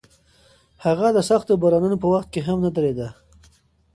هغه د سختو بارانونو په وخت کې هم نه درېده.